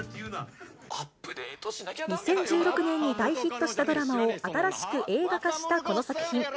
２０１６年に大ヒットしたドラマを新しく映画化したこの作品。